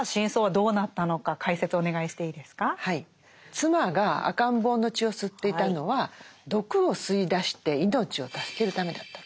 妻が赤ん坊の血を吸っていたのは毒を吸い出して命を助けるためだったと。